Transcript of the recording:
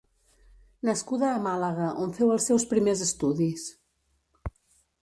Nascuda a Màlaga on feu els seus primers estudis.